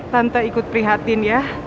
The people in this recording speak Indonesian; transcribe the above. tante ikut prihatin ya